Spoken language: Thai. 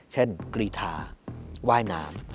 เช่นกรีทาว่ายน้ำ